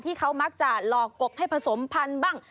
ที่เขามักจะหลอกกบให้ผสมพันธุ์บ้าง